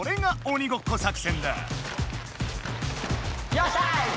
よっしゃ！